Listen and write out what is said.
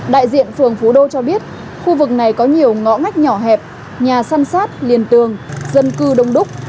đại diện phường phú đô cho biết khu vực này có nhiều ngõ ngách nhỏ hẹp nhà săn sát liền tường dân cư đông đúc